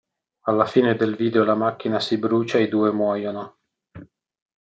Alla fine del video la macchina si brucia e i due muoiono.